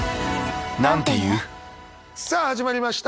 さあ始まりました。